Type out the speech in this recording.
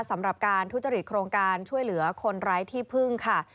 สำหรับการทุจริตโครงการช่วยเหลือคนไร้ที่พึ่งค่ะ